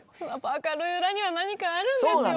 明るい裏には何かあるんですよね。